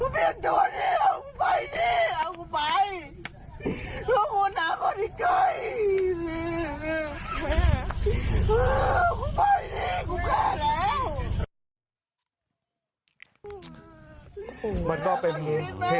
ผมจงหยุดนี่แหละผมไปนี่เอาผมไป